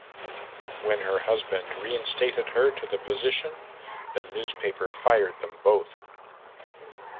When her husband reinstated her to the position, the newspaper fired them both.